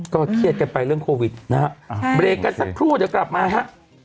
เครียดกันไปเรื่องโควิดนะฮะเบรกกันสักครู่เดี๋ยวกลับมาฮะ